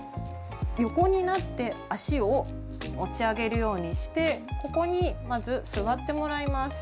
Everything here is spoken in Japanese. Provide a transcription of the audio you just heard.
横になって足を持ち上げるようにしてここにまず座ってもらいます。